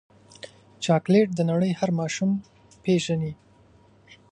چاکلېټ د نړۍ هر ماشوم پیژني.